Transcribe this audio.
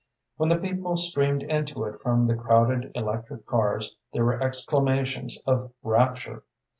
When the people streamed into it from the crowded electric cars, there were exclamations of rapture.